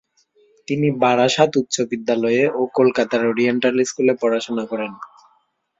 তিনি বারাসত উচ্চ বিদ্যালয়ে ও কলকাতার ওরিয়েন্টাল স্কুলে পড়াশোনা করেন।